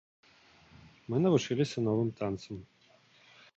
Мы навучыліся новым танцам.